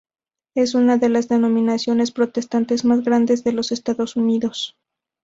Es una de las denominaciones protestantes más grandes de los Estados Unidos.